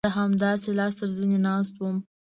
زه همداسې لاس تر زنې ناست وم.